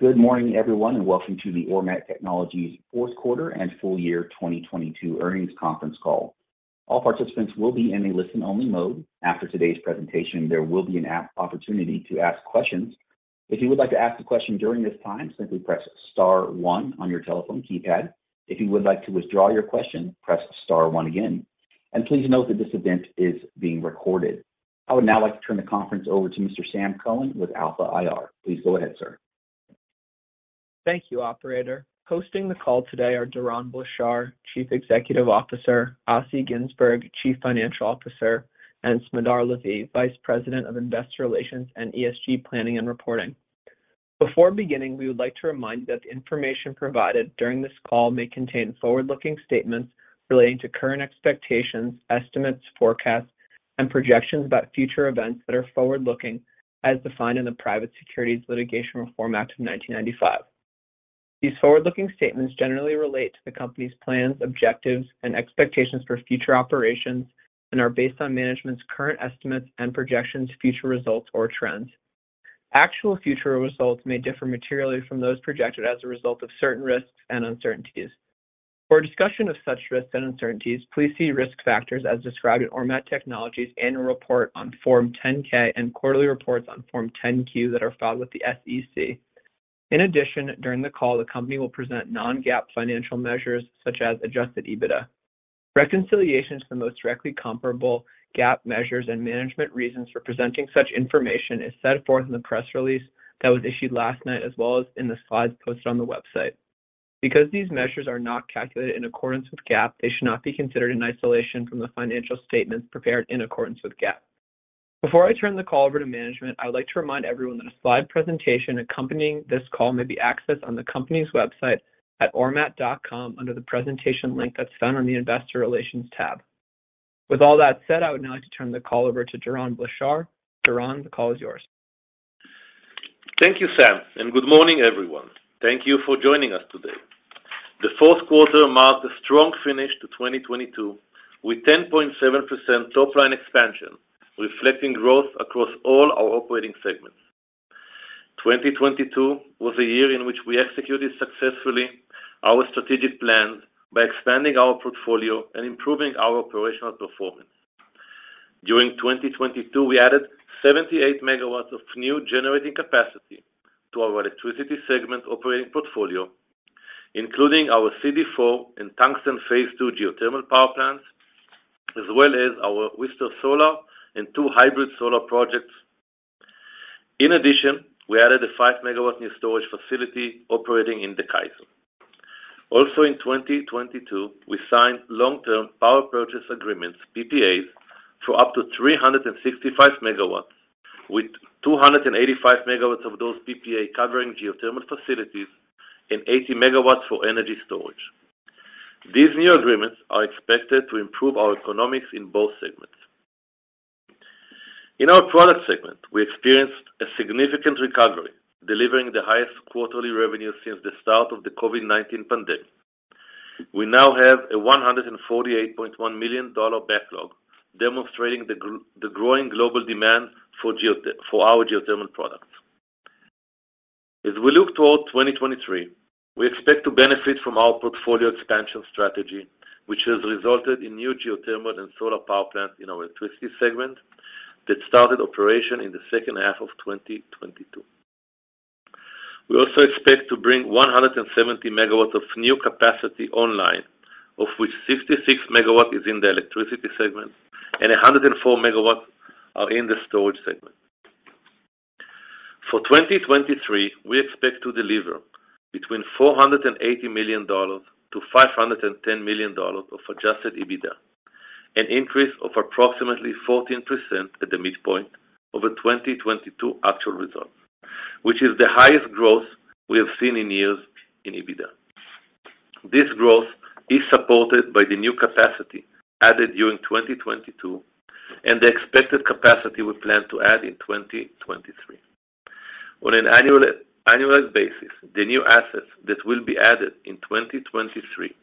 Good morning, everyone, welcome to the Ormat Technologies Q4 and Full Year 2022 Earnings Conference Call. All participants will be in a listen-only mode. After today's presentation, there will be an opportunity to ask questions. If you would like to ask a question during this time, simply press star one on your telephone keypad. If you would like to withdraw your question, press star one again. Please note that this event is being recorded. I would now like to turn the conference over to Mr. Sam Cohen with Alpha IR. Please go ahead, sir. Thank you, operator. Hosting the call today are Doron Blachar, Chief Executive Officer, Assi Ginzburg, Chief Financial Officer, and Smadar Lavi, Vice President of Investor Relations and ESG Planning and Reporting. Before beginning, we would like to remind you that the information provided during this call may contain forward-looking statements relating to current expectations, estimates, forecasts, and projections about future events that are forward-looking as defined in the Private Securities Litigation Reform Act of 1995. These forward-looking statements generally relate to the company's plans, objectives, and expectations for future operations and are based on management's current estimates and projections of future results or trends. Actual future results may differ materially from those projected as a result of certain risks and uncertainties. For a discussion of such risks and uncertainties, please see risk factors as described in Ormat Technologies' annual report on Form 10-K and quarterly reports on Form 10-Q that are filed with the SEC. In addition, during the call, the company will present non-GAAP financial measures such as Adjusted EBITDA. Reconciliation to the most directly comparable GAAP measures and management reasons for presenting such information is set forth in the press release that was issued last night, as well as in the slides posted on the website. Because these measures are not calculated in accordance with GAAP, they should not be considered in isolation from the financial statements prepared in accordance with GAAP. Before I turn the call over to management, I would like to remind everyone that a slide presentation accompanying this call may be accessed on the company's website at ormat.com under the presentation link that's found on the Investor Relations tab. With all that said, I would now like to turn the call over to Doron Blachar. Doron, the call is yours. Thank you, Sam, and good morning, everyone. Thank you for joining us today. The Q4 marked a strong finish to 2022, with 10.7% top line expansion, reflecting growth across all our operating segments. 2022 was a year in which we executed successfully our strategic plan by expanding our portfolio and improving our operational performance. During 2022, we added 78 MW of new generating capacity to our electricity segment operating portfolio, including our CD4 and Tungsten Phase II geothermal power plants, as well as our Wister Solar and two hybrid solar projects. In addition, we added a 5 MW new storage facility operating in California. Also in 2022, we signed long-term power purchase agreements, PPAs, for up to 365 MW, with 285 MW of those PPA covering geothermal facilities and 80 MW for energy storage. These new agreements are expected to improve our economics in both segments. In our product segment, we experienced a significant recovery, delivering the highest quarterly revenue since the start of the COVID-19 pandemic. We now have a $148.1 million backlog, demonstrating the growing global demand for our geothermal products. As we look toward 2023, we expect to benefit from our portfolio expansion strategy, which has resulted in new geothermal and solar power plants in our electricity segment that started operation in the second half of 2022. We also expect to bring 170 MW of new capacity online, of which 66 MW is in the electricity segment and 104 MW are in the storage segment. For 2023, we expect to deliver between $480 million to $510 million of Adjusted EBITDA, an increase of approximately 14% at the midpoint over 2022 actual results, which is the highest growth we have seen in years in EBITDA. This growth is supported by the new capacity added during 2022 and the expected capacity we plan to add in 2023. On an annualized basis, the new assets that will be added in 2023,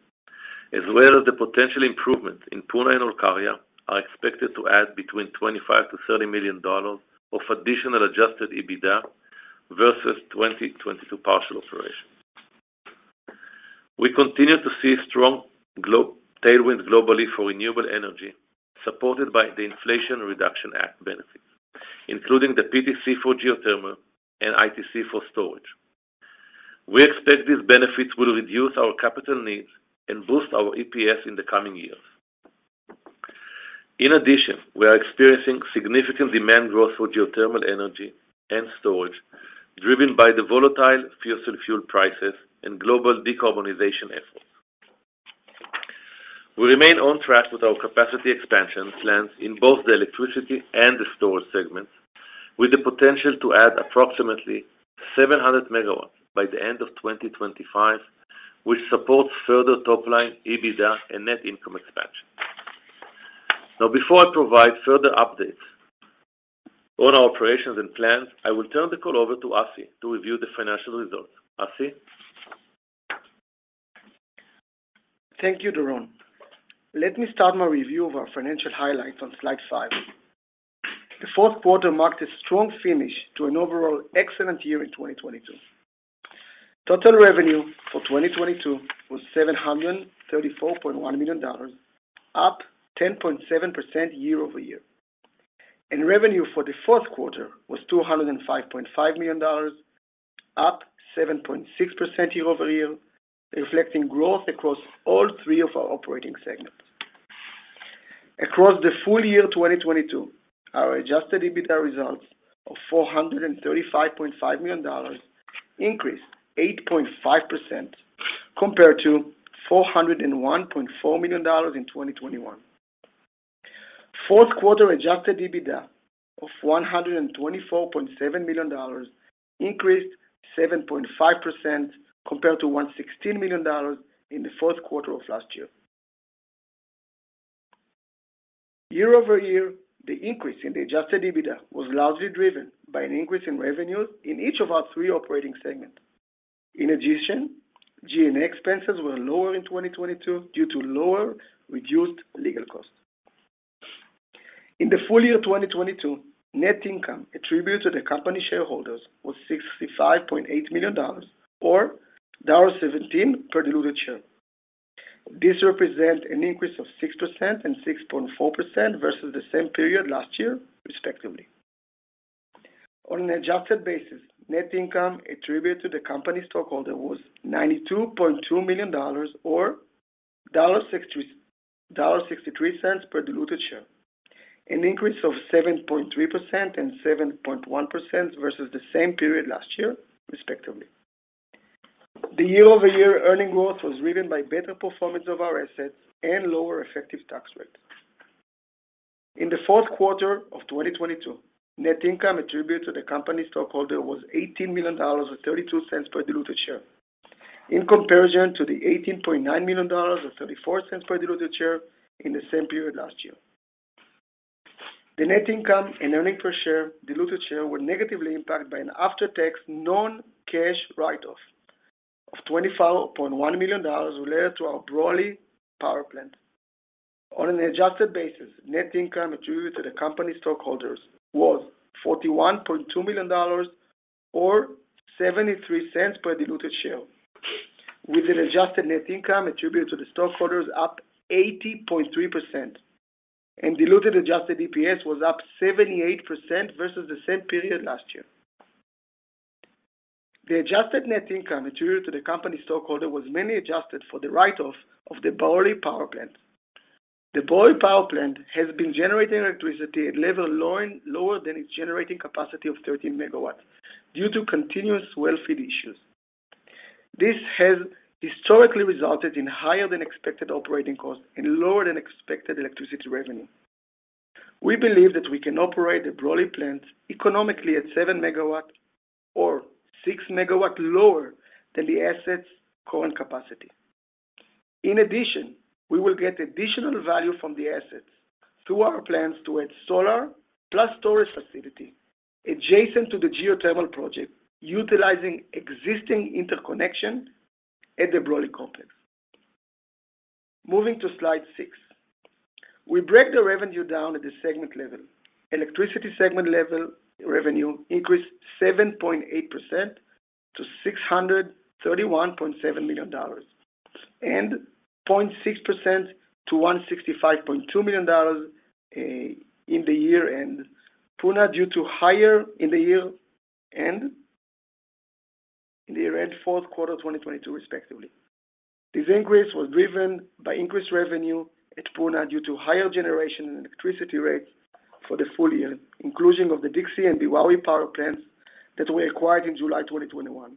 as well as the potential improvements in Puna and Olkaria, are expected to add between $25 million to $30 million of additional Adjusted EBITDA versus 2022 partial operations. We continue to see strong tailwind globally for renewable energy, supported by the Inflation Reduction Act benefits, including the PTC for geothermal and ITC for storage. We expect these benefits will reduce our capital needs and boost our EPS in the coming years. In addition, we are experiencing significant demand growth for geothermal energy and storage, driven by the volatile fossil fuel prices and global decarbonization efforts. We remain on track with our capacity expansion plans in both the electricity and the storage segments, with the potential to add approximately 700 MW by the end of 2025, which supports further top line EBITDA and net income expansion. Now before I provide further updates on our operations and plans, I will turn the call over to Assi to review the financial results. Assi? Thank you, Doron. Let me start my review of our financial highlights on slide five. The Q4 marked a strong finish to an overall excellent year in 2022. Total revenue for 2022 was $734.1 million, up 10.7% year-over-year. Revenue for the Q4 was $205.5 million, up 7.6% year-over-year, reflecting growth across all three of our operating segments. Across the full year 2022, our Adjusted EBITDA results of $435.5 million increased 8.5% compared to $401.4 million in 2021. Q4 Adjusted EBITDA of $124.7 million increased 7.5% compared to $116 million in the Q4 of last year. Year-over-year, the increase in the Adjusted EBITDA was largely driven by an increase in revenues in each of our three operating segments. In addition, G&A expenses were lower in 2022 due to lower reduced legal costs. In the full year 2022, net income attributed to the company shareholders was $65.8 million or $1.17 per diluted share. This represent an increase of 6% and 6.4% versus the same period last year, respectively. On an adjusted basis, net income attributed to the company stockholder was $92.2 million or $1.63 per diluted share, an increase of 7.3% and 7.1% versus the same period last year, respectively. The year-over-year earning growth was driven by better performance of our assets and lower effective tax rate. In the Q4 of 2022, net income attributed to the company stockholder was $18 million or $0.32 per diluted share, in comparison to the $18.9 million or $0.34 per diluted share in the same period last year. The net income and earning per diluted share were negatively impacted by an after-tax non-cash write-off of $25.1 million related to our Brawley power plant. On an adjusted basis, net income attributed to the company stockholders was $41.2 million or $0.73 per diluted share, with an adjusted net income attributed to the stockholders up 80.3%, and diluted adjusted EPS was up 78% versus the same period last year. The adjusted net income attributed to the company stockholder was mainly adjusted for the write-off of the Brawley power plant. The Brawley power plant has been generating electricity at level lower than its generating capacity of 13 MW due to continuous well feed issues. This has historically resulted in higher than expected operating costs and lower than expected electricity revenue. We believe that we can operate the Brawley plant economically at 7 MW or 6 MW lower than the asset's current capacity. We will get additional value from the assets through our plans to add solar plus storage facility adjacent to the geothermal project, utilizing existing interconnection at the Brawley complex. Moving to slide six. We break the revenue down at the segment level. Electricity segment level revenue increased 7.8% to $631.7 million and 0.6% to $165.2 million in the year end, Puna due to higher in the year end, Q4 2022 respectively. This increase was driven by increased revenue at Puna due to higher generation and electricity rates for the full year, inclusion of the Dixie and Beowawe power plants that were acquired in July 2021,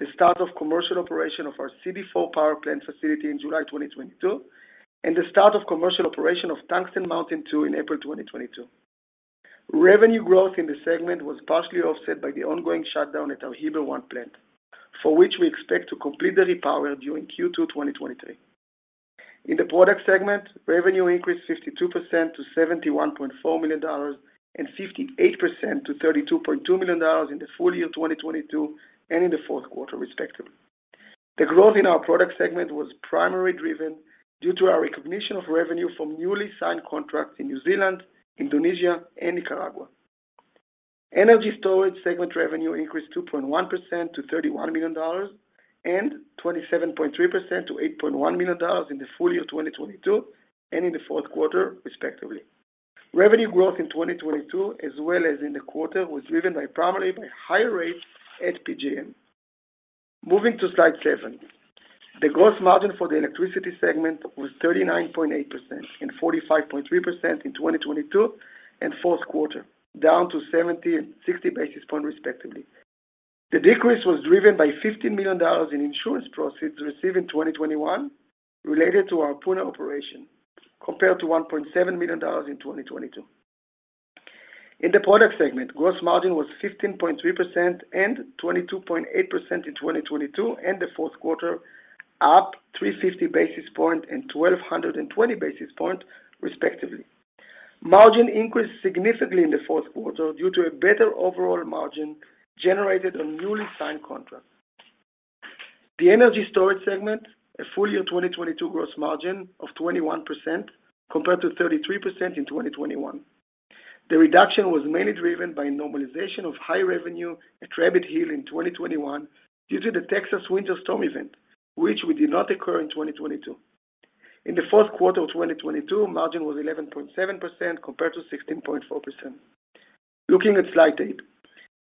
the start of commercial operation of our CD4 power plant facility in July 2022, and the start of commercial operation of Tungsten Mountain 2 in April 2022. Revenue growth in the segment was partially offset by the ongoing shutdown at our Heber One plant, for which we expect to complete the repower during Q2 2023. In the product segment, revenue increased 52% to $71.4 million and 58% to $32.2 million in the full year 2022 and in the Q4, respectively. The growth in our product segment was primarily driven due to our recognition of revenue from newly signed contracts in New Zealand, Indonesia, and Nicaragua. Energy storage segment revenue increased 2.1% to $31 million and 27.3% to $8.1 million in the full year 2022 and in the Q4, respectively. Revenue growth in 2022 as well as in the quarter was primarily by higher rates at PJM. Moving to slide seven. The gross margin for the electricity segment was 39.8% and 45.3% in 2022 and Q4, down to 70 and 60 basis point respectively. The decrease was driven by $15 million in insurance proceeds received in 2021 related to our Puna operation, compared to $1.7 million in 2022. In the product segment, gross margin was 15.3% and 22.8% in 2022 and the Q4, up 350 basis point and 1,220 basis point, respectively. Margin increased significantly in the Q4 due to a better overall margin generated on newly signed contracts. The energy storage segment, a full year 2022 gross margin of 21% compared to 33% in 2021. The reduction was mainly driven by normalization of high revenue at Rabbit Hill in 2021 due to the Texas winter storm event, which we did not occur in 2022. In the Q4 of 2022, margin was 11.7% compared to 16.4%. Looking at slide eight,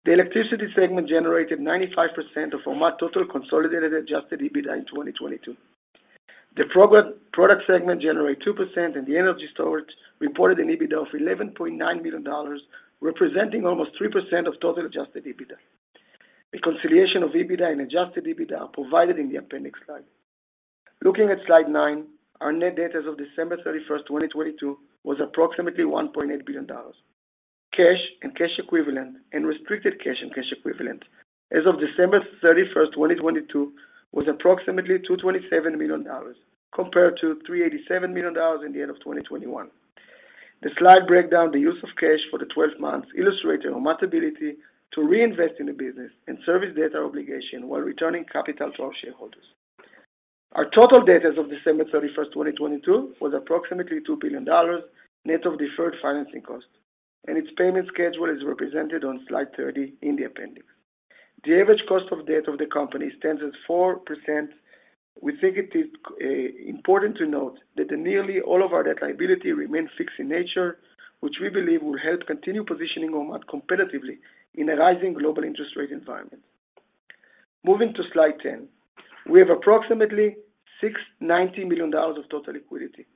the electricity segment generated 95% of our total consolidated Adjusted EBITDA in 2022. The product segment generate 2% and the energy storage reported an EBITDA of $11.9 million, representing almost 3% of total Adjusted EBITDA. A reconciliation of EBITDA and Adjusted EBITDA are provided in the appendix slide. Looking at slide nine, our net debt as of December 31st, 2022 was approximately $1.8 billion. Cash and cash equivalent and restricted cash and cash equivalent as of December 31st, 2022 was approximately $227 million compared to $387 million in the end of 2021. The slide breakdown the use of cash for the 12 months, illustrating our ability to reinvest in the business and service debt, our obligation while returning capital to our shareholders. Our total debt as of December 31st, 2022 was approximately $2 billion net of deferred financing costs, and its payment schedule is represented on slide 30 in the appendix. The average cost of debt of the company stands at 4%. We think it is important to note that nearly all of our debt liability remains fixed in nature, which we believe will help continue positioning Ormat competitively in a rising global interest rate environment. Moving to slide 10, we have approximately $690 million of total liquidity.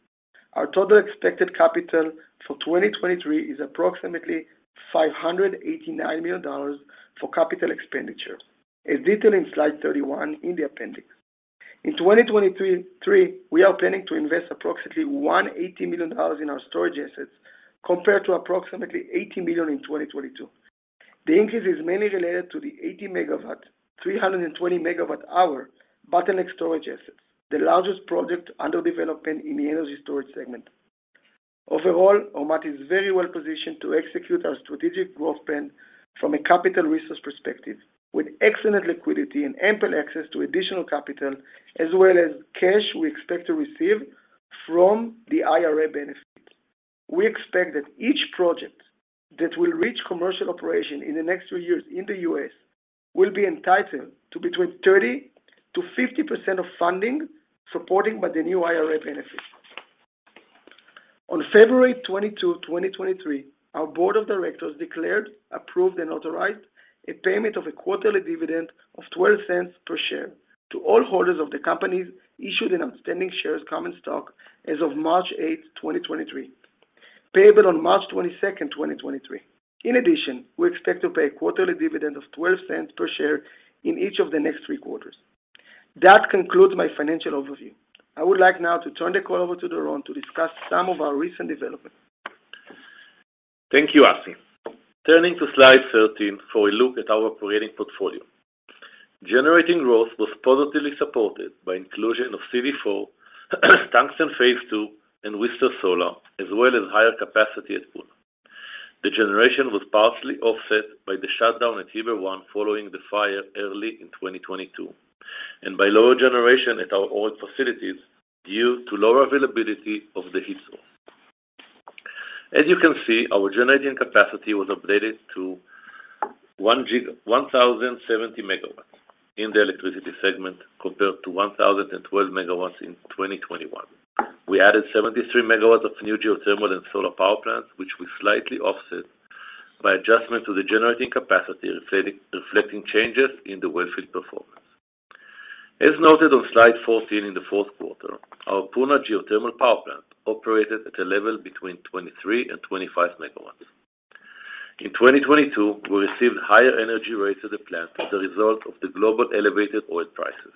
Our total expected capital for 2023 is approximately $589 million for capital expenditure, as detailed in slide 31 in the appendix. In 2023, we are planning to invest approximately $180 million in our storage assets compared to approximately $80 million in 2022. The increase is mainly related to the 80 MW, 320 MWh Bottleneck storage assets, the largest project under development in the energy storage segment. Overall, Ormat is very well positioned to execute our strategic growth plan from a capital resource perspective with excellent liquidity and ample access to additional capital as well as cash we expect to receive from the IRA benefit. We expect that each project that will reach commercial operation in the next two years in the US will be entitled to between 30%-50% of funding supported by the new IRA benefit. On February 22, 2023, our board of directors declared, approved and authorized a payment of a quarterly dividend of $0.12 per share to all holders of the company's issued and outstanding shares common stock as of March 8, 2023, payable on March 22, 2023. In addition, we expect to pay a quarterly dividend of $0.12 per share in each of the next three quarters. That concludes my financial overview. I would like now to turn the call over to Doron to discuss some of our recent developments. Thank you, Assi. Turning to slide 13 for a look at our operating portfolio. Generating growth was positively supported by inclusion of CD4, Tungsten Phase II and Wister Solar, as well as higher capacity at Puna. The generation was partially offset by the shutdown at Heber One following the fire early in 2022, and by lower generation at our old facilities due to lower availability of the heat source. As you can see, our generating capacity was updated to 1,070 MW in the electricity segment compared to 1,012 MW in 2021. We added 73 MW of new geothermal and solar power plants, which we slightly offset by adjustment to the generating capacity, reflecting changes in the well field performance. As noted on slide 14 in the Q4, our Puna geothermal power plant operated at a level between 23 and 25 MW. In 2022, we received higher energy rates at the plant as a result of the global elevated oil prices.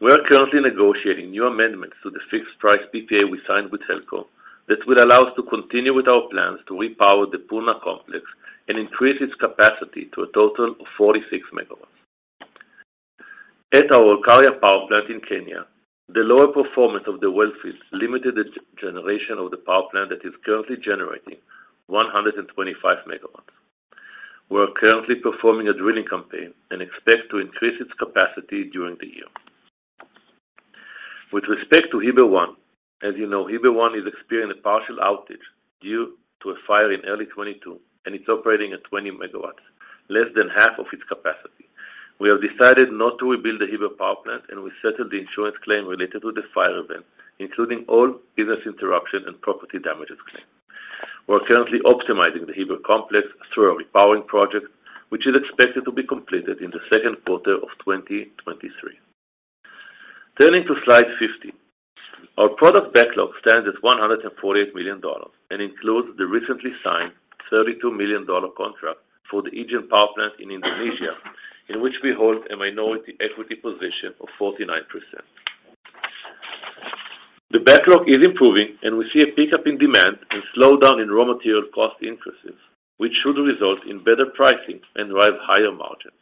We are currently negotiating new amendments to the fixed price PPA we signed with KPLC that will allow us to continue with our plans to repower the Puna complex and increase its capacity to a total of 46 MW. At our Olkaria power plant in Kenya, the lower performance of the well field limited the generation of the power plant that is currently generating 125 MW. We are currently performing a drilling campaign and expect to increase its capacity during the year. With respect to Heber One, as you know, Heber One is experiencing a partial outage due to a fire in early 2022, and it's operating at 20 MW, less than half of its capacity. We have decided not to rebuild the Heber power plant, and we settled the insurance claim related to the fire event, including all business interruption and property damages claim. We're currently optimizing the Heber complex through a repowering project, which is expected to be completed in the Q2 of 2023. Turning to slide 15. Our product backlog stands at $148 million and includes the recently signed $32 million contract for the Ijen power plant in Indonesia, in which we hold a minority equity position of 49%. The backlog is improving. We see a pickup in demand and slowdown in raw material cost increases, which should result in better pricing and rise higher margin.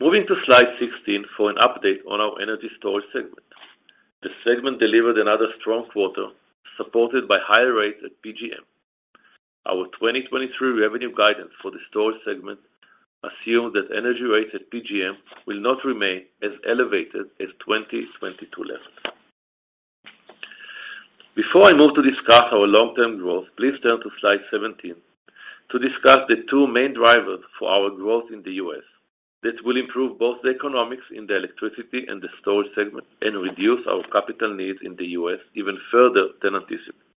Moving to slide 16 for an update on our energy storage segment. The segment delivered another strong quarter, supported by higher rates at PJM. Our 2023 revenue guidance for the storage segment assume that energy rates at PJM will not remain as elevated as 2022 levels. Before I move to discuss our long-term growth, please turn to slide 17 to discuss the two main drivers for our growth in the US. This will improve both the economics in the electricity and the storage segment, and reduce our capital needs in the US even further than anticipated.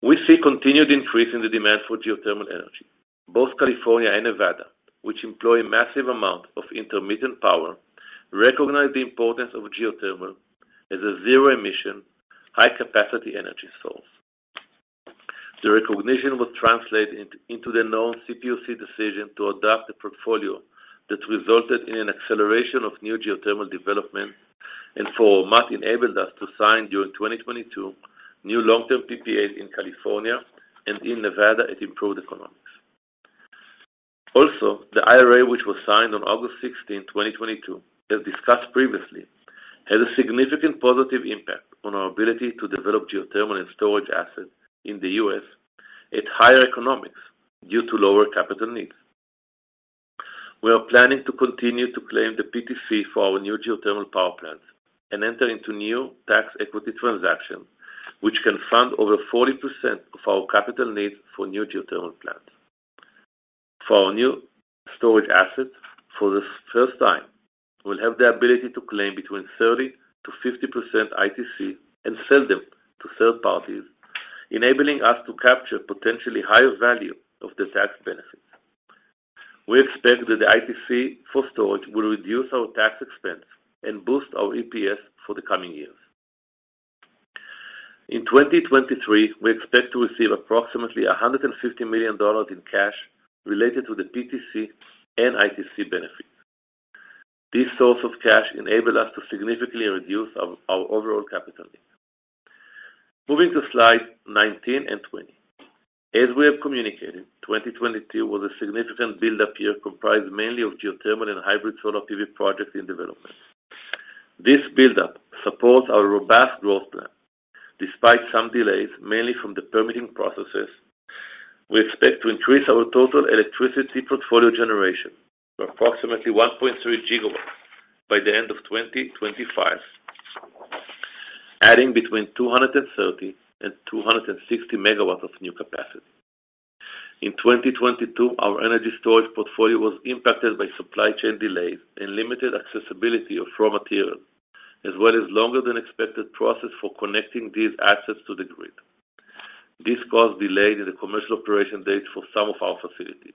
We see continued increase in the demand for geothermal energy. Both California and Nevada, which employ massive amount of intermittent power, recognize the importance of geothermal as a zero emission, high capacity energy source. The recognition was translated into the known CPUC decision to adopt a portfolio that resulted in an acceleration of new geothermal development, and for what enabled us to sign during 2022 new long-term PPAs in California and in Nevada at improved economics. Also, the IRA which was signed on August 16, 2022, as discussed previously, had a significant positive impact on our ability to develop geothermal and storage assets in the US at higher economics due to lower capital needs. We are planning to continue to claim the PTC for our new geothermal power plants and enter into new tax equity transactions, which can fund over 40% of our capital needs for new geothermal plants. For our new storage assets, for the first time, we'll have the ability to claim between 30%-50% ITC and sell them to third parties, enabling us to capture potentially higher value of the tax benefits. We expect that the ITC for storage will reduce our tax expense and boost our EPS for the coming years. In 2023, we expect to receive approximately $150 million in cash related to the PTC and ITC benefits. This source of cash enabled us to significantly reduce our overall capital needs. Moving to slide 19 and 20. As we have communicated, 2022 was a significant build-up year comprised mainly of geothermal and hybrid solar PV projects in development. This build-up supports our robust growth plan. Despite some delays, mainly from the permitting processes, we expect to increase our total electricity portfolio generation to approximately 1.3 GW by the end of 2025, adding between 230 and 260 MW of new capacity. In 2022, our energy storage portfolio was impacted by supply chain delays and limited accessibility of raw materials, as well as longer than expected process for connecting these assets to the grid. This caused delay in the commercial operation dates for some of our facilities.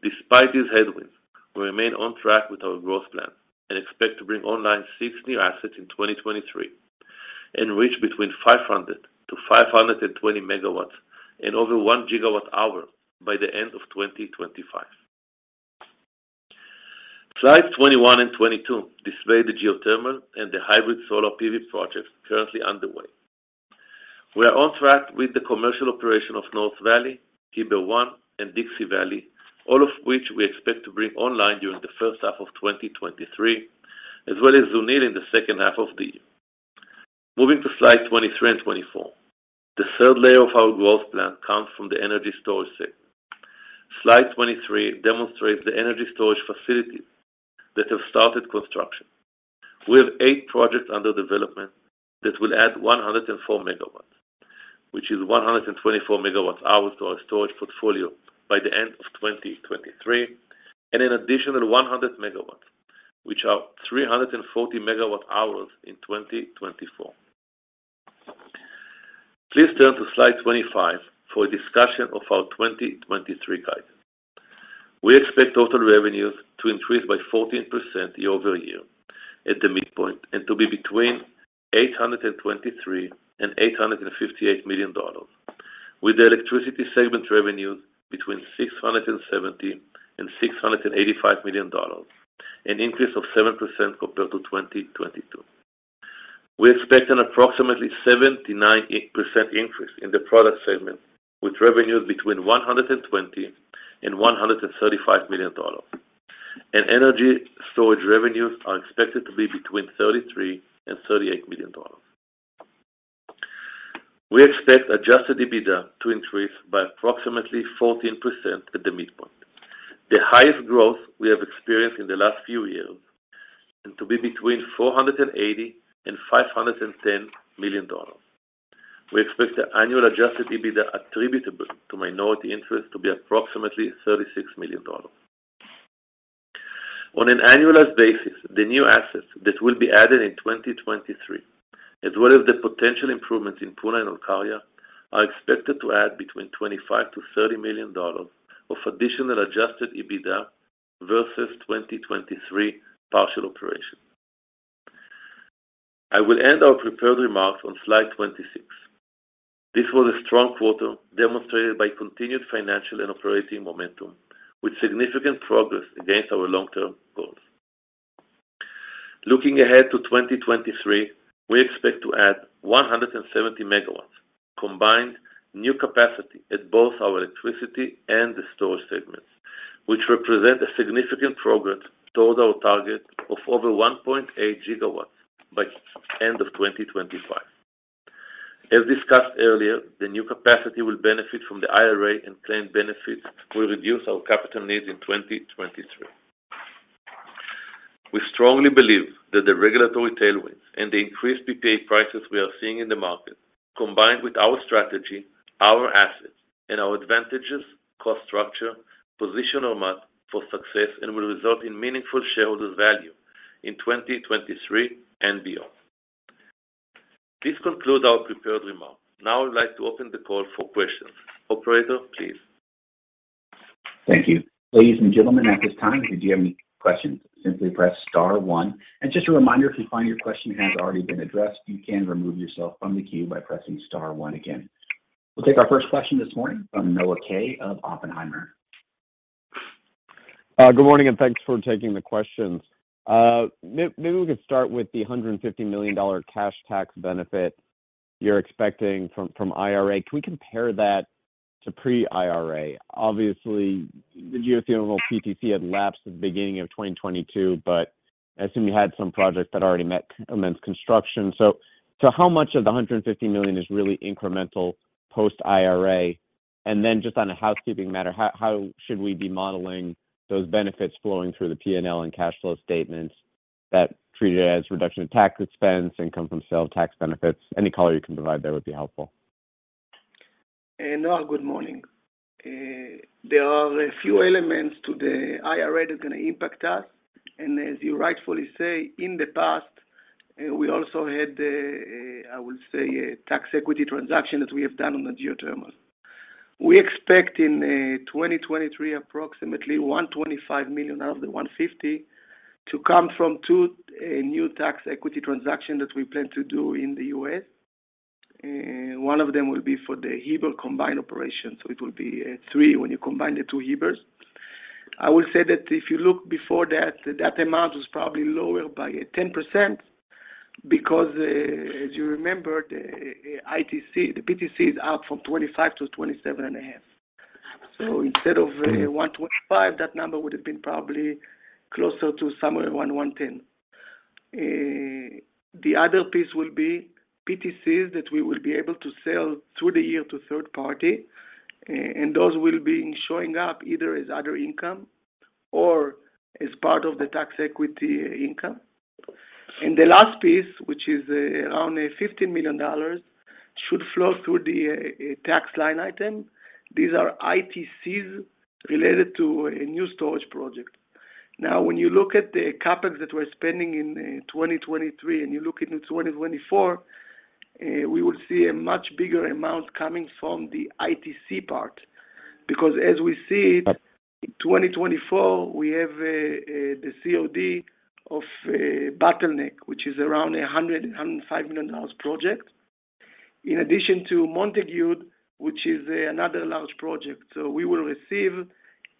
Despite these headwinds, we remain on track with our growth plan and expect to bring online six new assets in 2023 and reach between 500-520 MW and over 1 gigawatt hour by the end of 2025. Slide 21 and 22 display the geothermal and the hybrid solar PV projects currently underway. We are on track with the commercial operation of North Valley, Heber One, and Dixie Valley, all of which we expect to bring online during the first half of 2023, as well as Zunil in the second half of the year. Moving to slide 23 and 24. The third layer of our growth plan comes from the energy storage segment. Slide 23 demonstrates the energy storage facilities that have started construction. We have 8 projects under development that will add 104 MW, which is 124 MWh to our storage portfolio by the end of 2023, and an additional 100 MW, which are 340 MWh in 2024. Please turn to slide 25 for a discussion of our 2023 guidance. We expect total revenues to increase by 14% year over year at the midpoint and to be between $823 million and $858 million, with the electricity segment revenues between $670 million and $685 million, an increase of 7% compared to 2022. We expect an approximately 79% increase in the product segment with revenues between $120 million and $135 million. Energy storage revenues are expected to be between $33 million and $38 million. We expect Adjusted EBITDA to increase by approximately 14% at the midpoint, the highest growth we have experienced in the last few years and to be between $480 million and $510 million. We expect the annual Adjusted EBITDA attributable to minority interest to be approximately $36 million. On an annualized basis, the new assets that will be added in 2023, as well as the potential improvements in Puna and Olkaria are expected to add between $25 million-$30 million of additional Adjusted EBITDA versus 2023 partial operation. I will end our prepared remarks on slide 26. This was a strong quarter demonstrated by continued financial and operating momentum with significant progress against our long-term goals. Looking ahead to 2023, we expect to add 170 MW combined new capacity at both our electricity and the storage segments, which represent a significant progress towards our target of over 1.8 GW by end of 2025. As discussed earlier, the new capacity will benefit from the IRA, claimed benefits will reduce our capital needs in 2023. We strongly believe that the regulatory tailwinds and the increased PPA prices we are seeing in the market, combined with our strategy, our assets, and our advantages, cost structure, position Ormat for success and will result in meaningful shareholder value in 2023 and beyond. This concludes our prepared remarks. Now I'd like to open the call for questions. Operator, please. Thank you. Ladies and gentlemen, at this time, if you have any questions, simply press star one. Just a reminder, if you find your question has already been addressed, you can remove yourself from the queue by pressing star one again. We'll take our first question this morning from Noah Kaye of Oppenheimer. Good morning, thanks for taking the questions. Maybe we could start with the $150 million cash tax benefit you're expecting from IRA. Can we compare that to pre-IRA? Obviously, the geothermal PTC had lapsed at the beginning of 2022, but I assume you had some projects that already met immense construction. How much of the $150 million is really incremental post-IRA? Then just on a housekeeping matter, how should we be modeling those benefits flowing through the P&L and cash flow statements that treat it as reduction in tax expense, income from sale, tax benefits? Any color you can provide there would be helpful. Hey, Noah. Good morning. There are a few elements to the IRA that's gonna impact us. As you rightfully say, in the past, we also had, I will say a tax equity transaction that we have done on the geothermal. We expect in 2023, approximately $125 million out of the $150 to come from two new tax equity transaction that we plan to do in the US. One of them will be for the Heber combined operation, so it will be three when you combine the two Hebers. I will say that if you look before that amount was probably lower by 10% because, as you remember, the ITC, the PTC is up from 25% to 27.5%. Instead of $125 million, that number would have been probably closer to somewhere $110 million. The other piece will be PTCs that we will be able to sell through the year to third party, and those will be showing up either as other income or as part of the tax equity income. The last piece, which is around $15 million, should flow through the tax line item. These are ITCs related to a new storage project. When you look at the CapEx that we're spending in 2023, and you look into 2024, we will see a much bigger amount coming from the ITC part. As we see it, in 2024, we have the COD of Bottleneck, which is around a $100, $105 million project. In addition to Montague, which is another large project. We will receive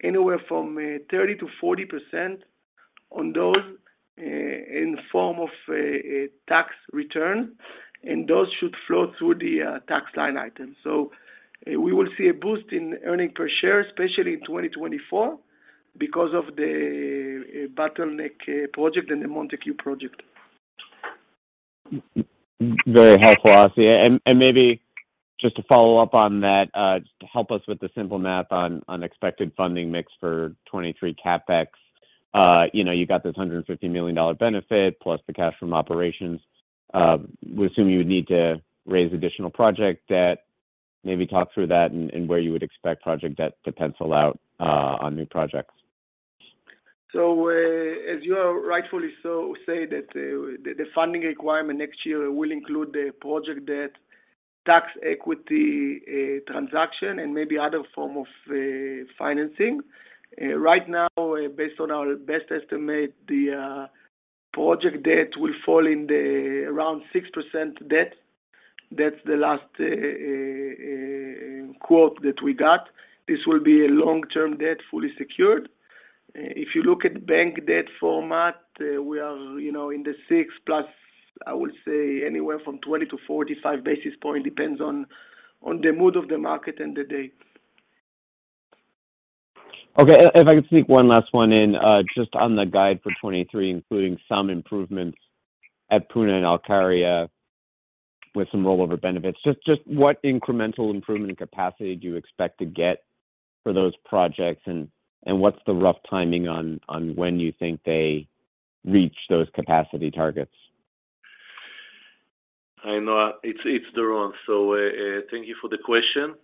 anywhere from 30%-40% on those in the form of a tax return, and those should flow through the tax line item. We will see a boost in EPS, especially in 2024 because of the Bottleneck project and the Montague project. Very helpful, Assi. Maybe just to follow up on that, just to help us with the simple math on unexpected funding mix for 23 CapEx. You know, you got this $150 million benefit plus the cash from operations. We assume you would need to raise additional project debt, maybe talk through that and where you would expect project debt to pencil out on new projects. As you rightfully so say that, the funding requirement next year will include the project debt, tax equity, transaction, and maybe other form of financing. Right now, based on our best estimate, the project debt will fall in the around 6% debt. That's the last quote that we got. This will be a long-term debt, fully secured. If you look at bank debt Ormat, we are, you know, in the six plus, I would say anywhere from 20-45 basis points, depends on the mood of the market and the day. Okay. If I could sneak one last one in, just on the guide for 2023, including some improvements at Puna and Olkaria with some rollover benefits. Just what incremental improvement capacity do you expect to get for those projects? What's the rough timing on when you think they reach those capacity targets? Hi, Noah. It's Doron. Thank you for the question.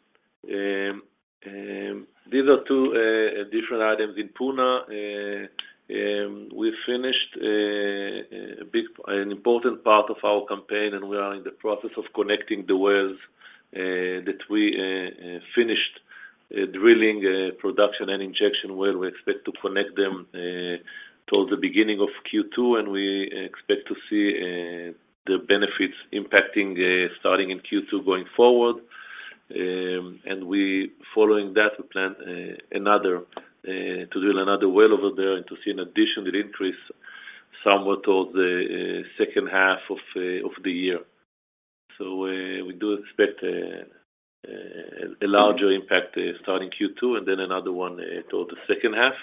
These are two different items. In Puna, we finished an important part of our campaign, and we are in the process of connecting the wells that we finished drilling, production and injection well. We expect to connect them toward the beginning of Q2, and we expect to see the benefits impacting starting in Q2 going forward. Following that, we plan to drill another well over there and to see an additional increase somewhat of the second half of the year. We do expect a larger impact starting Q2 and then another one toward the second half.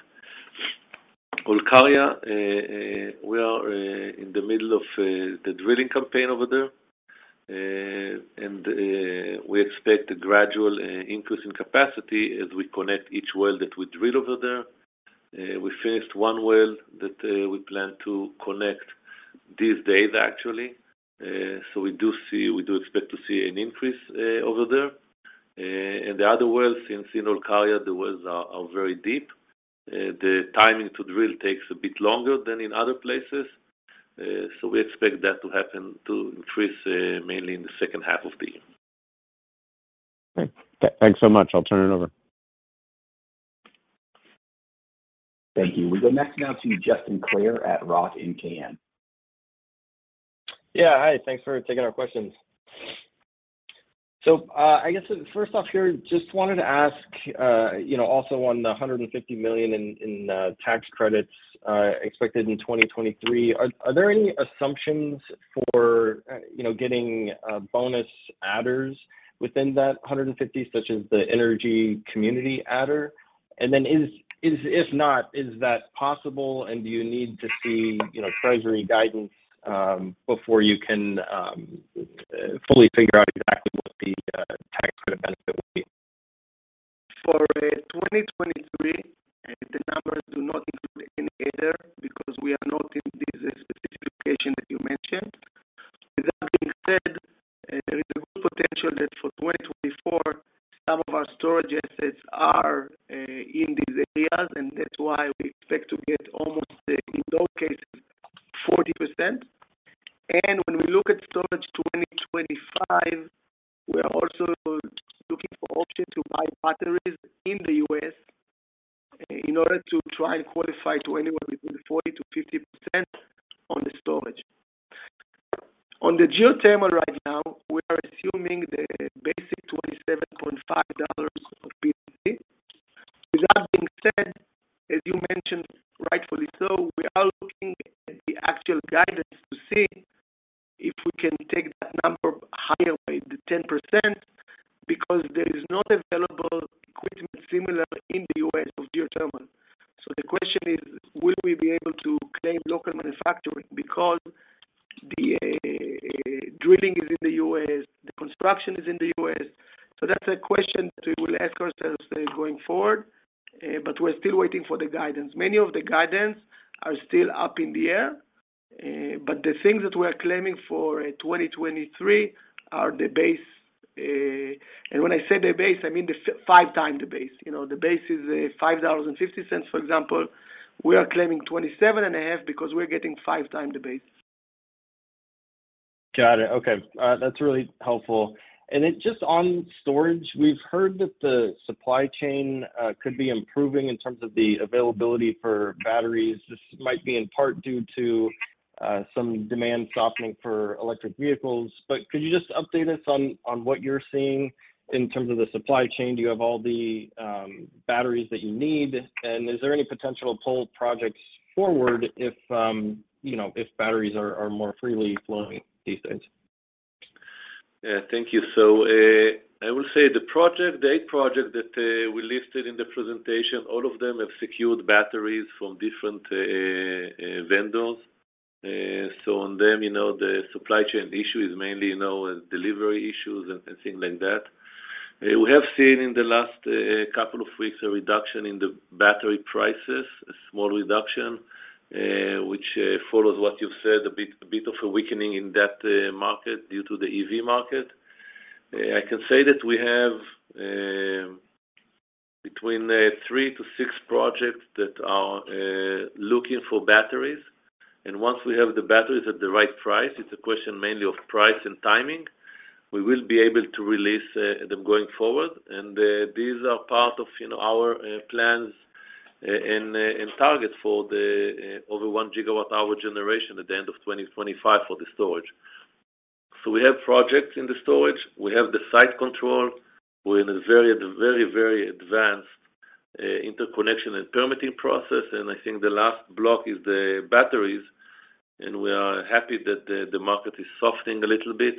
Olkaria, we are in the middle of the drilling campaign over there. We expect a gradual increase in capacity as we connect each well that we drill over there. We finished one well that we plan to connect these days actually. We do expect to see an increase over there. The other wells in Olkaria, the wells are very deep. The timing to drill takes a bit longer than in other places. We expect that to happen to increase mainly in the second half of the year. Okay. Thanks so much. I'll turn it over. Thank you. We go next now to Justin Clare at Roth MKM. Yeah. Hi. Thanks for taking our questions. I guess first off here, just wanted to ask, you know, also on the $150 million in tax credits, expected in 2023. Are there any assumptions for, you know, getting bonus adders within that 150, such as the energy community adder? Is if not, is that possible, and do you need to see, you know, treasury guidance, before you can fully figure out exactly what the tax credit benefit will be? For 2023, the numbers do not include any adder because we are not in this specific location that you mentioned. With that being said, there is a good potential that for 2024 some of our storage assets are guidance are still up in the air, but the things that we are claiming for, 2023 are the base. And when I say the base, I mean the five time the base. You know, the base is $5.50, for example. We are claiming 27.5 because we're getting five times the base. Got it. Okay. That's really helpful. Then just on storage, we've heard that the supply chain could be improving in terms of the availability for batteries. This might be in part due to some demand softening for electric vehicles. Could you just update us on what you're seeing in terms of the supply chain? Do you have all the batteries that you need? Is there any potential to pull projects forward if, you know, if batteries are more freely flowing these days? Yeah. Thank you. I will say the project, the eight projects that we listed in the presentation, all of them have secured batteries from different vendors. On them, you know, the supply chain issue is mainly, you know, delivery issues and things like that. We have seen in the last couple of weeks a reduction in the battery prices, a small reduction, which follows what you've said, a bit of a weakening in that market due to the EV market. I can say that we have between three to six projects that are looking for batteries. Once we have the batteries at the right price, it's a question mainly of price and timing, we will be able to release them going forward. These are part of, you know, our plans, and targets for the over 1 GWh generation at the end of 2025 for the storage. We have projects in the storage. We have the site control. We're in a very, very, very advanced interconnection and permitting process, and I think the last block is the batteries. We are happy that the market is softening a little bit.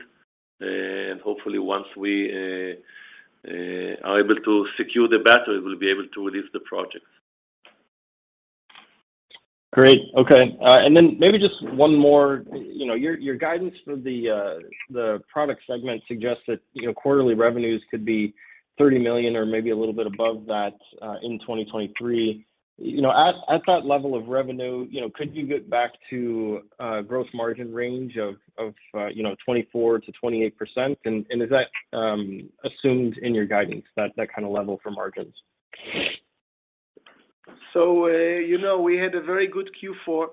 Hopefully once we are able to secure the battery, we'll be able to release the project. Great. Okay. then maybe just one more. You know, your guidance for the product segment suggests that, you know, quarterly revenues could be $30 million or maybe a little bit above that, in 2023. You know, at that level of revenue, you know, could you get back to a growth margin range of, you know, 24%-28%? is that assumed in your guidance, that kind of level for margins? So you know, we had a very good Q4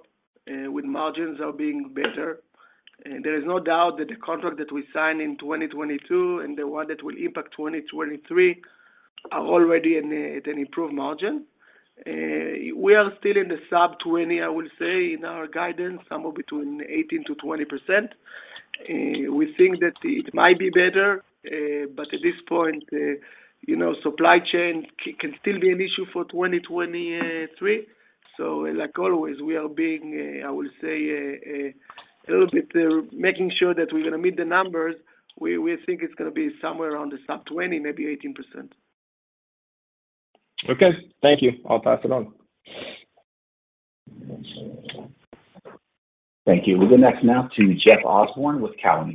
with margins are being better. There is no doubt that the contract that we signed in 2022 and the one that will impact 2023 are already in a, at an improved margin. We are still in the sub 20, I would say, in our guidance, somewhere between 18%-20%. We think that it might be better, but at this point, you know, supply chain can still be an issue for 2023. Like always, we are being, I will say, a little bit, making sure that we're gonna meet the numbers. We think it's gonna be somewhere around the sub 20, maybe 18%. Okay. Thank you. I'll pass it on. Thank you. We'll go next now to Jeff Osborne with Cowen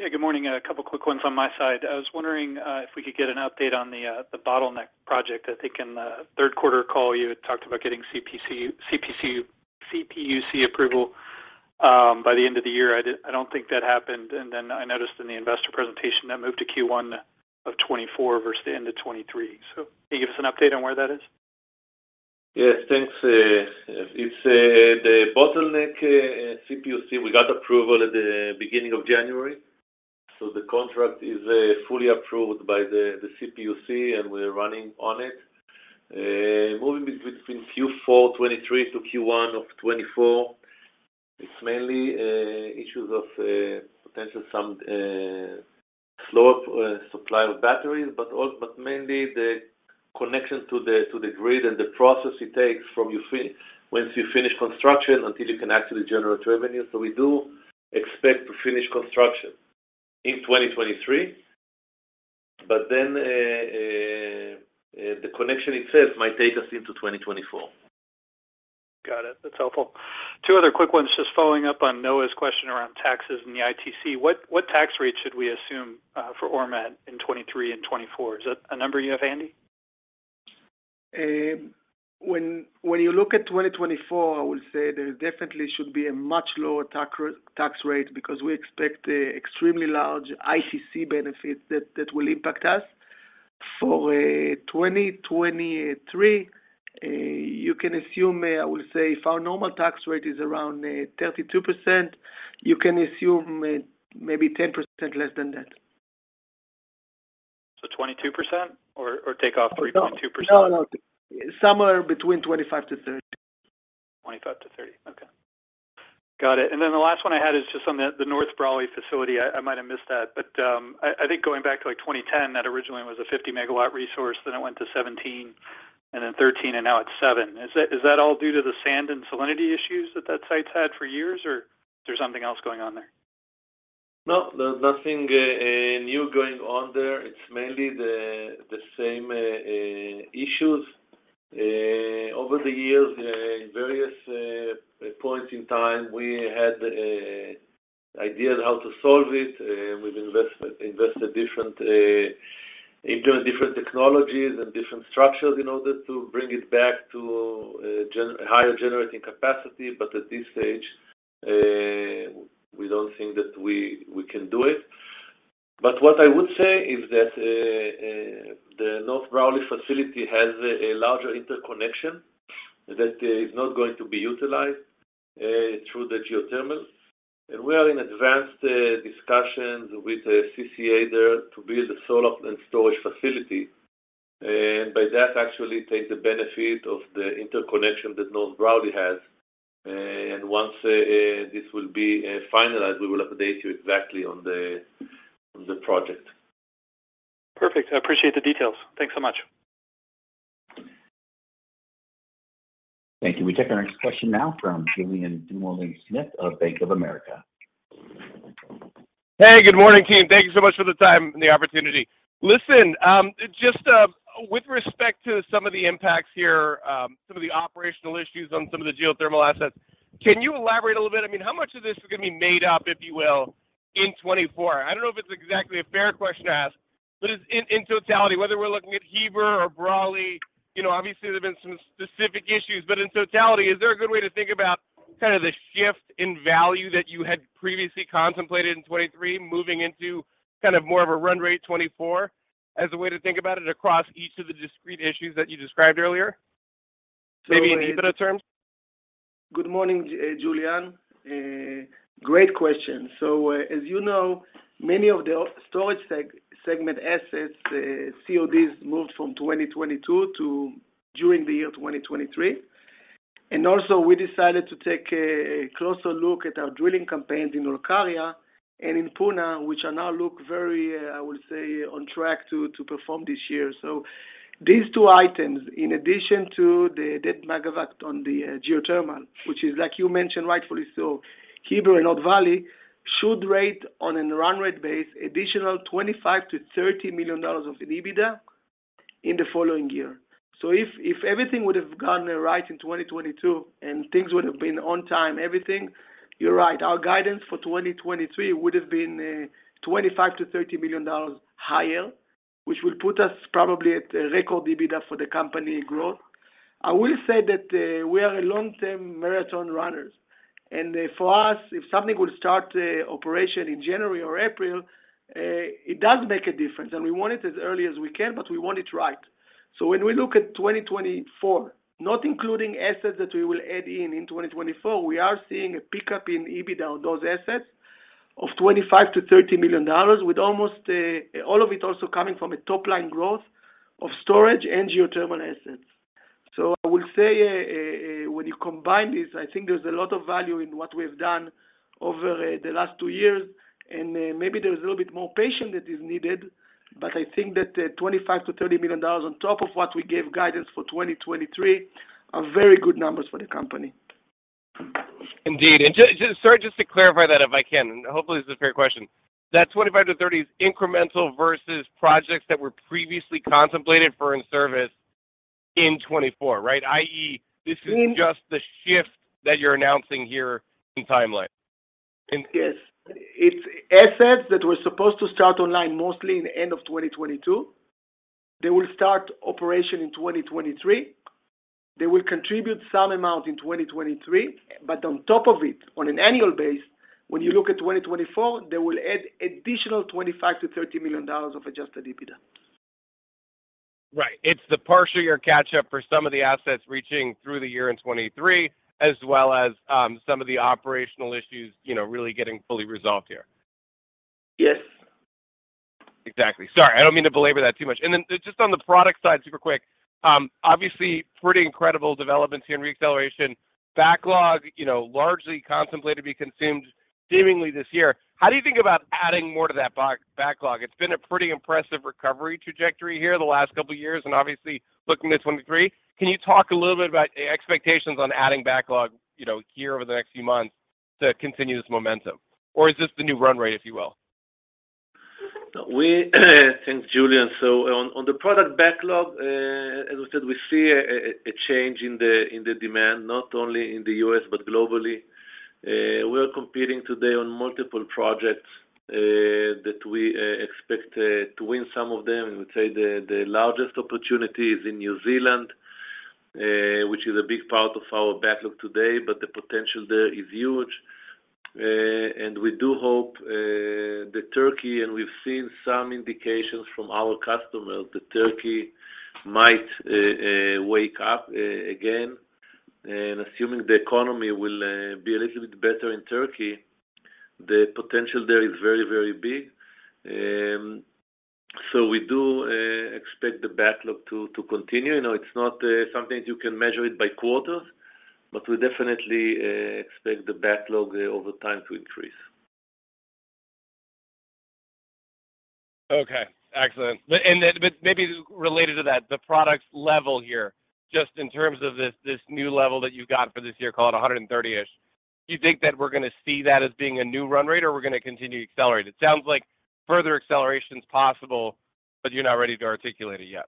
and Company. Yeah. Good morning. A couple quick ones on my side. I was wondering if we could get an update on the Bottleneck project. I think in the Q3 call, you had talked about getting CPUC approval by the end of the year. I don't think that happened. I noticed in the investor presentation that moved to Q1 of 2024 versus the end of 2023. Can you give us an update on where that is? Yes. Thanks. It's the Bottleneck, CPUC, we got approval at the beginning of January. The contract is fully approved by the CPUC, and we're running on it. Moving between Q4 2023 to Q1 of 2024, it's mainly issues of potential some slow supply of batteries, but mainly the connection to the grid and the process it takes from you once you finish construction until you can actually generate revenue. We do expect to finish construction in 2023, the connection itself might take us into 2024. Got it. That's helpful. Two other quick ones, just following up on Noah's question around taxes and the ITC. What tax rate should we assume for Ormat in 2023 and 2024? Is that a number you have handy? When you look at 2024, I would say there definitely should be a much lower tax rate because we expect a extremely large ITC benefits that will impact us. For 2023, you can assume, I would say if our normal tax rate is around 32%, you can assume, maybe 10% less than that. 22% or take off 3.2%? No, no. Somewhere between 25 to 30. 25-30. Okay. Got it. The last one I had is just on the North Brawley facility. I might have missed that. I think going back to, like, 2010, that originally was a 50 MW resource, then it went to 17, and then 13, and now it's seven. Is that all due to the sand and salinity issues that that site's had for years, or is there something else going on there? No, there's nothing new going on there. It's mainly the same issues. Over the years, in various points in time, we had ideas how to solve it with investment. Invested different into different technologies and different structures in order to bring it back to higher generating capacity. At this stage, we don't think that we can do it. What I would say is that the North Brawley facility has a larger interconnection that is not going to be utilized through the geothermal. We are in advanced discussions with the CCA there to build a solar and storage facility, by that actually take the benefit of the interconnection that North Brawley has. Once, this will be finalized, we will update you exactly on the project. Perfect. I appreciate the details. Thanks so much. Thank you. We take our next question now from Julien Dumoulin-Smith of Bank of America. Hey, good morning, team. Thank you so much for the time and the opportunity. Listen, just with respect to some of the impacts here, some of the operational issues on some of the geothermal assets, can you elaborate a little bit? I mean, how much of this is gonna be made up, if you will, in 2024? I don't know if it's exactly a fair question to ask, but in totality, whether we're looking at Heber or Brawley, you know, obviously, there have been some specific issues. In totality, is there a good way to think about kind of the shift in value that you had previously contemplated in 2023 moving into kind of more of a run rate 2024 as a way to think about it across each of the discrete issues that you described earlier? Maybe in EBITDA terms. Good morning, Julien. Great question. As you know, many of the storage segment assets, CODs moved from 2022 to during the year 2023. Also, we decided to take a closer look at our drilling campaigns in Olkaria and in Puna, which are now look very, I will say, on track to perform this year. These two items, in addition to the dead megawatt on the geothermal, which is like you mentioned, rightfully so, Heber and North Valley should rate on an run rate base additional $25 million-$30 million of an EBITDA in the following year. If everything would have gone right in 2022 and things would have been on time, everything, you're right. Our guidance for 2023 would have been, $25 million-$30 million higher, which will put us probably at a record EBITDA for the company growth. I will say that, we are a long-term marathon runners. For us, if something will start, operation in January or April, it does make a difference, and we want it as early as we can, but we want it right. When we look at 2024, not including assets that we will add in in 2024, we are seeing a pickup in EBITDA on those assets of $25 million-$30 million, with almost all of it also coming from a top-line growth of storage and geothermal assets. I will say, when you combine this, I think there's a lot of value in what we've done over the last two years, and maybe there's a little bit more patience that is needed. I think that, $25 million-$30 million on top of what we gave guidance for 2023 are very good numbers for the company. Indeed. Just sorry, just to clarify that if I can, and hopefully this is a fair question. That 25-30 is incremental versus projects that were previously contemplated for in service in 2024, right? I.e., this is just the shift that you're announcing here in timeline. Yes. It's assets that were supposed to start online mostly in the end of 2022. They will start operation in 2023. They will contribute some amount in 2023. On top of it, on an annual basis, when you look at 2024, they will add additional $25 million-$30 million of Adjusted EBITDA. Right. It's the partial year catch-up for some of the assets reaching through the year in 23 as well as, some of the operational issues, you know, really getting fully resolved here. Yes. Exactly. Sorry, I don't mean to belabor that too much. Just on the product side, super quick, obviously pretty incredible developments here in reacceleration. Backlog, you know, largely contemplated to be consumed seemingly this year. How do you think about adding more to that backlog? It's been a pretty impressive recovery trajectory here the last couple of years and obviously looking to 2023. Can you talk a little bit about expectations on adding backlog, you know, here over the next few months to continue this momentum? Or is this the new run rate, if you will? Thanks, Julien. On the product backlog, as we said, we see a change in the demand, not only in the US, but globally. We're competing today on multiple projects that we expect to win some of them. I would say the largest opportunity is in New Zealand, which is a big part of our backlog today, but the potential there is huge. We do hope that Turkey, and we've seen some indications from our customers that Turkey might wake up again. Assuming the economy will be a little bit better in Turkey, the potential there is very, very big. We do expect the backlog to continue. You know, it's not something you can measure it by quarters, but we definitely expect the backlog over time to increase. Okay. Excellent. Maybe related to that, the products level here, just in terms of this new level that you got for this year, call it 130-ish. Do you think that we're going to see that as being a new run rate or we're going to continue to accelerate? It sounds like further acceleration is possible, but you're not ready to articulate it yet.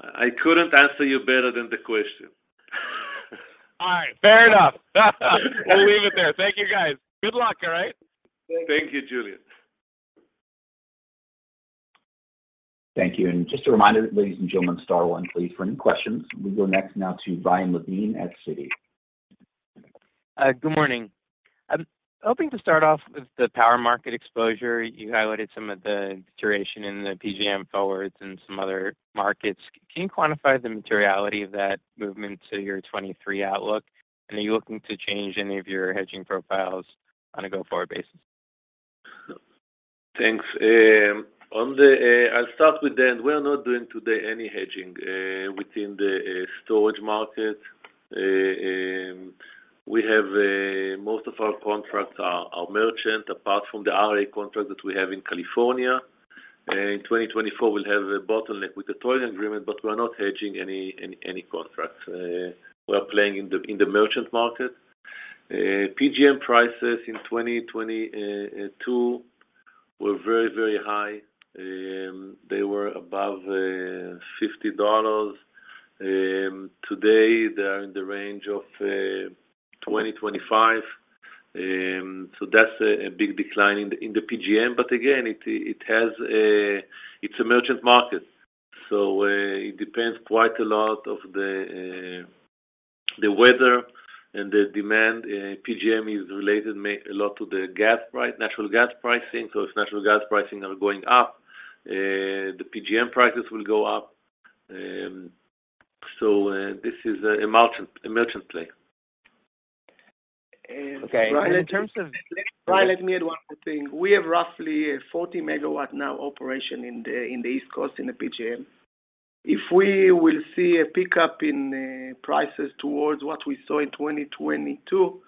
I couldn't answer you better than the question. All right. Fair enough. We'll leave it there. Thank you, guys. Good luck. All right. Thank you. Thank you, Julian. Thank you. just a reminder, ladies and gentlemen, star one, please, for any questions. We go next now to Ryan Levine at Citi. Good morning. I'm hoping to start off with the power market exposure. You highlighted some of the duration in the PJM forwards and some other markets. Can you quantify the materiality of that movement to your 2023 outlook? Are you looking to change any of your hedging profiles on a go-forward basis? Thanks. On the. I'll start with that. We're not doing today any hedging within the storage market. We have most of our contracts are merchant, apart from the RA contract that we have in California. In 2024, we'll have a Bottleneck with the Tolling Agreement, but we're not hedging any contracts. We are playing in the merchant market. PJM prices in 2022 were very, very high. They were above $50. Today, they are in the range of $20-$25. So that's a big decline in the PJM. Again, it has a merchant market, so it depends quite a lot of the weather and the demand. PJM is related a lot to natural gas pricing. If natural gas pricing are going up, the PJM prices will go up. This is a merchant, a merchant play. Okay. In terms of. Ryan, let me add one more thing. We have roughly 40 MW now operation in the East Coast in the PJM. If we will see a pickup in prices towards what we saw in 2022,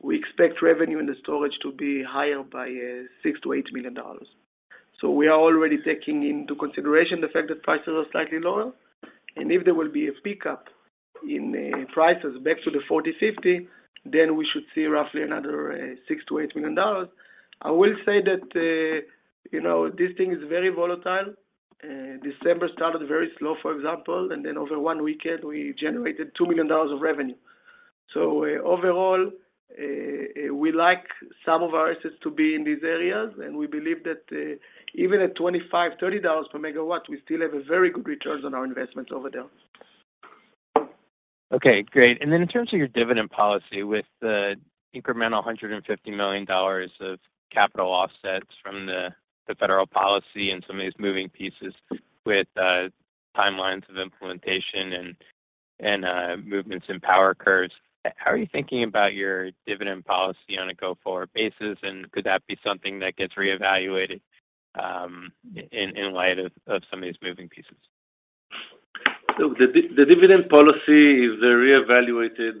we expect revenue in the storage to be higher by $6 million-$8 million. We are already taking into consideration the fact that prices are slightly lower. If there will be a pickup in prices back to the 40, 50, then we should see roughly another $6 million-$8 million. I will say that, you know, this thing is very volatile. December started very slow, for example, and then over one weekend, we generated $2 million of revenue. Overall, we like some of our assets to be in these areas, and we believe that, even at $25-$30 per megawatt, we still have a very good returns on our investment over there. Okay, great. Then in terms of your dividend policy with the incremental $150 million of capital offsets from the federal policy and some of these moving pieces with timelines of implementation and movements in power curves, how are you thinking about your dividend policy on a go-forward basis, and could that be something that gets reevaluated in light of some of these moving pieces? The dividend policy is reevaluated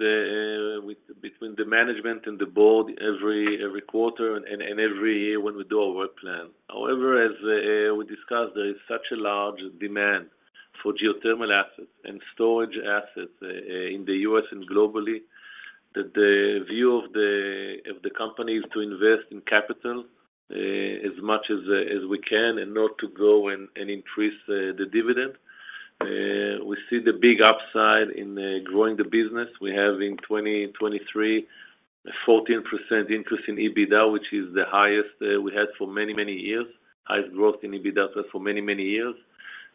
between the management and the board every quarter and every year when we do our work plan. However, as we discussed, there is such a large demand for geothermal assets and storage assets in the US and globally that the view of the company is to invest in capital as much as we can and not to go and increase the dividend. We see the big upside in growing the business. We have in 2023 a 14% increase in EBITDA, which is the highest we had for many, many years. Highest growth in EBITDA for many, many years.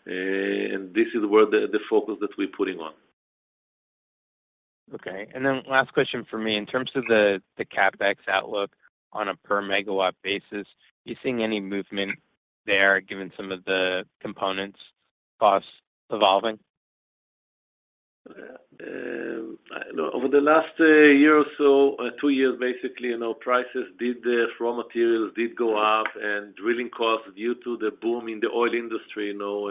This is where the focus that we're putting on. Okay. Last question from me. In terms of the CapEx outlook on a per megawatt basis, are you seeing any movement there given some of the components costs evolving? No. Over the last year or so, two years basically, you know, prices did, raw materials did go up, and drilling costs due to the boom in the oil industry, you know,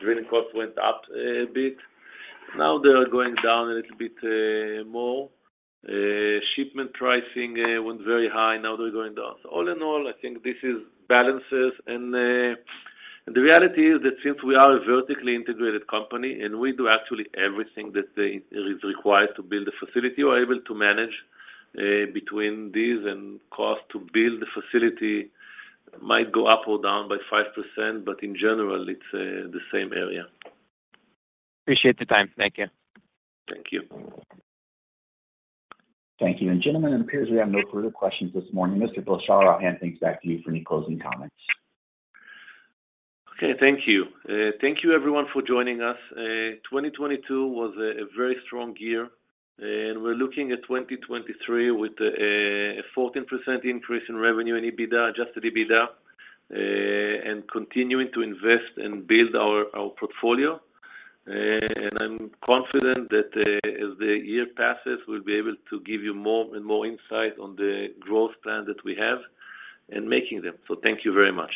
drilling costs went up a bit. Now they are going down a little bit more. Shipment pricing went very high, now they're going down. All in all, I think this is balances and the reality is that since we are a vertically integrated company and we do absolutely everything that is required to build a facility, we're able to manage between these and cost to build the facility might go up or down by 5%, but in general, it's the same area. Appreciate the time. Thank you. Thank you. Thank you. Gentlemen, it appears we have no further questions this morning. Mr. Blachar, I'll hand things back to you for any closing comments. Okay. Thank you. Thank you everyone for joining us. 2022 was a very strong year, and we're looking at 2023 with a 14% increase in revenue and EBITDA, Adjusted EBITDA, and continuing to invest and build our portfolio. I'm confident that as the year passes, we'll be able to give you more and more insight on the growth plan that we have and making them. Thank you very much.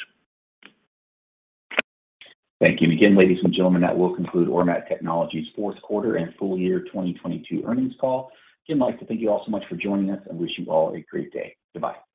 Thank you again, ladies and gentlemen. That will conclude Ormat Technologies' Q4 and Full Year 2022 Earnings Call. Again, I'd like to thank you all so much for joining us and wish you all a great day. Goodbye.